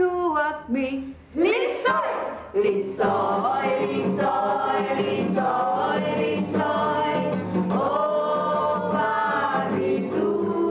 oh pak ritu